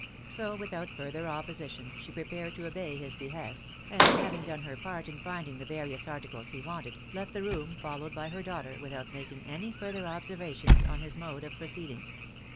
So, without further opposition, she prepared to obey his behests, and having done her part in finding the various articles he wanted, left the room followed by her daughter, without making any further observations on his mode of proceeding.